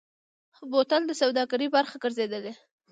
بوتل د سوداګرۍ برخه ګرځېدلی.